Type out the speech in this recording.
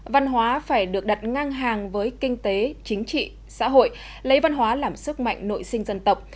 văn hóa phải được đặt ngang hàng với kinh tế chính trị xã hội lấy văn hóa làm sức mạnh nội sinh dân tộc